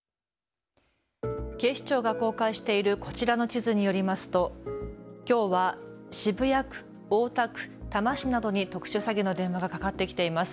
警視庁が公開しているこちらの地図によりますときょうは渋谷区、大田区、多摩市などに特殊詐欺の電話がかかってきています。